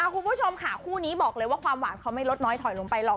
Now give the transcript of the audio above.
คุณผู้ชมค่ะคู่นี้บอกเลยว่าความหวานเขาไม่ลดน้อยถอยลงไปหรอก